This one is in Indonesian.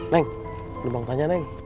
neng belum bang tanya neng